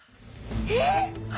えっ！？